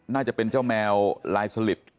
น่าจะเป็นเจ้าแมวลายสลิด